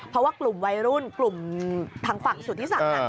เพราะว่ากลุ่มวัยรุ่นกลุ่มทางฝั่งสุธิศักดิ์